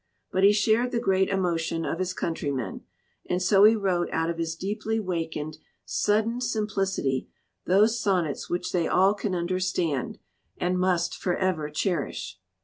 But he shared the great emotion of his countrymen, and so he wrote out of his deeply wakened, sudden simplicity those sonnets which they all can understand and must forever cherish.